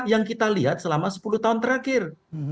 yang kita lihat selama sepuluh tahun terakhir